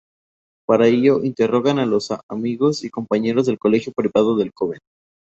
Para ello, interrogan a los amigos y compañeros del colegio privado del joven.